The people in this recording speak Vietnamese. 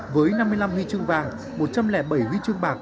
với năm mươi năm huy chương vàng một trăm linh bảy huy chương bạc